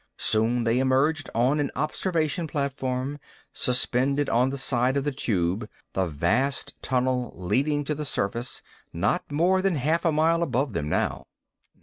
Soon they emerged on an observation platform, suspended on the side of the Tube, the vast tunnel leading to the surface, not more than half a mile above them now.